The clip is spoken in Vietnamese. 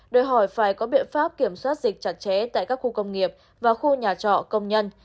đòi hỏi phải có biện pháp kiểm soát dịch chặt chẽ tại các khu công nghiệp và khu nhà trọ công nhân